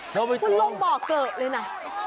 คุณลงบ่อเกรอะเลยนะ